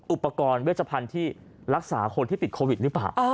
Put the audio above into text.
อุปกรณ์เวชพันธุ์ที่รักษาคนที่ติดโควิดหรือเปล่า